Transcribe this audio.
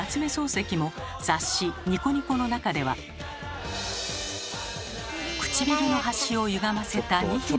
漱石も雑誌「ニコニコ」の中では唇の端をゆがませたニヒルな笑顔。